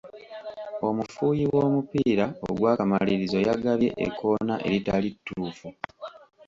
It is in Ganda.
Omufuuyi w'omupiira ogw'akamalirizo yagabye ekkoona eritali ttuufu.